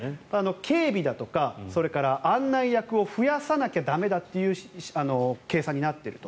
警備だとか案内役を増やさなきゃ駄目だという計算になっていると。